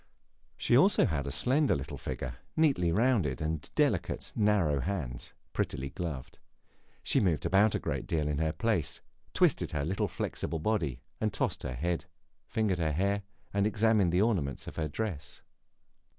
She had also a slender little figure, neatly rounded, and delicate, narrow hands, prettily gloved. She moved about a great deal in her place, twisted her little flexible body and tossed her head, fingered her hair and examined the ornaments of her dress.